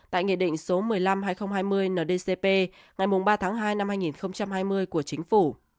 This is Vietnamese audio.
tại nghị định số một mươi năm hai nghìn hai mươi ndcp ngày ba tháng hai năm hai nghìn hai mươi của chính phủ